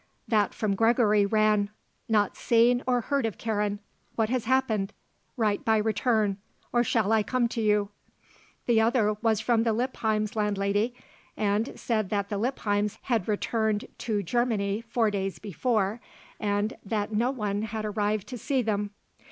That from Gregory ran "Not seen or heard of Karen. What has happened? Write by return. Or shall I come to you?" The other was from the Lippheims' landlady and said that the Lippheims had returned to Germany four days before and that no one had arrived to see them.